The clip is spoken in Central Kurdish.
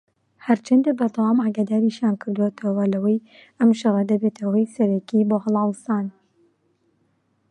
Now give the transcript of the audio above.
هەرچەندە بەردەوام ئاگاداریشیان کردۆتەوە لەوەی ئەم شەڕە دەبێتە هۆی سەرەکیی بۆ هەڵاوسان